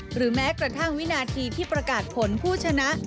หรือแม้กระทั่งวินาทีที่ประกาศผลผู้ชนะ